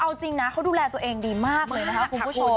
เอาจริงนะเขาดูแลตัวเองดีมากเลยนะคะคุณผู้ชม